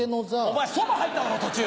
お前そば入っただろ途中！